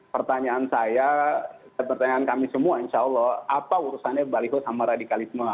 pertanyaan saya pertanyaan kami semua insya allah apa urusannya baliho sama radikalisme